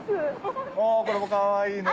これもかわいいね。